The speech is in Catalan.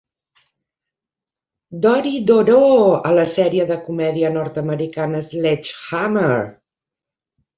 Dori Doreau a la sèrie de comèdia nord-americana Sledge Hammer!